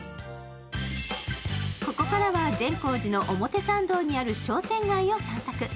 ここからは善光寺の表参道にある商店街を散策。